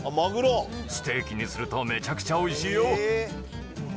ステーキにすると、めちゃくちゃおいしいよ。